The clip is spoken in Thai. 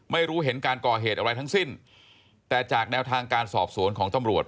ไม่รู้เห็นการก่อเหตุอะไรทั้งสิ้นแต่จากแนวทางการสอบสวนของตำรวจ